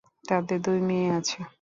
তাদের দুই মেয়ে আছে।